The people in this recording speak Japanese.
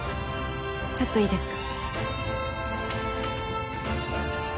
ちょっといいですか？